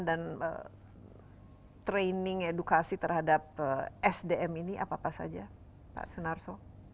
dan training edukasi terhadap sdm ini apa saja pak sunarso